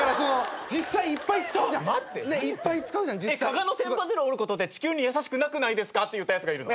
「加賀の千羽鶴折ることって地球に優しくなくないですか」って言ったやつがいるの？